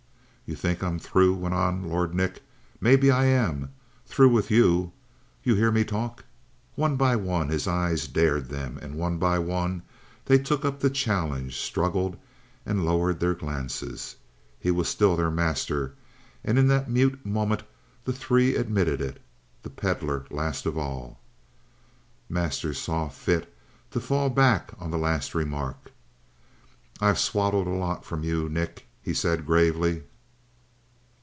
"You think I'm through," went on Lord Nick. "Maybe I am through with you. You hear me talk?" One by one, his eyes dared them, and one by one they took up the challenge, struggled, and lowered their glances. He was still their master and in that mute moment the three admitted it, the Pedlar last of all. Masters saw fit to fall back on the last remark. "I've swallowed a lot from you, Nick," he said gravely.